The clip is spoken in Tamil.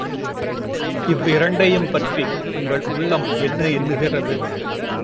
இவ் இரண்டையும் பற்றி— உங்கள் உள்ளம் என்ன எண்ணுகிறது?